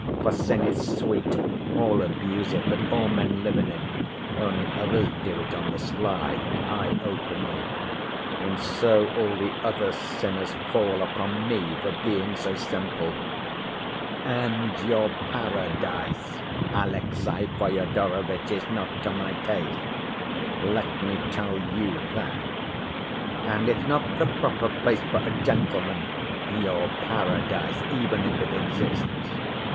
For sin is sweet; all abuse it, but all men live in it, only others do it on the sly, and I openly. And so all the other sinners fall upon me for being so simple. And your paradise, Alexey Fyodorovitch, is not to my taste, let me tell you that; and it's not the proper place for a gentleman, your paradise, even if it exists.